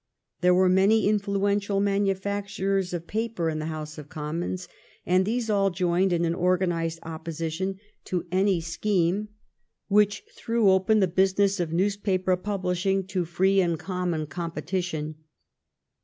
There were many influential manufacturers of paper in the House of Commons, and these all joined in an organized opposition to any scheme THE REPEAL OF THE TAXES ON EDUCATION 225 which threw open the business of newspaper pub lishing to free and common competition.